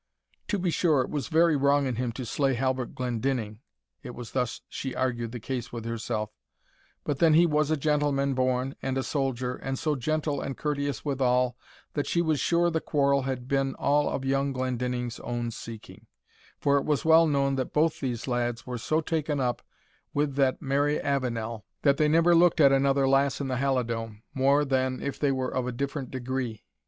"To be sure it was very wrong in him to slay Halbert Glendinning," (it was thus she argued the case with herself,) "but then he was a gentleman born, and a soldier, and so gentle and courteous withal, that she was sure the quarrel had been all of young Glendinning's own seeking; for it was well known that both these lads were so taken up with that Mary Avenel, that they never looked at another lass in the Halidome, more than if they were of a different degree.